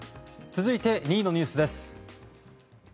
続いて２位のニュースです。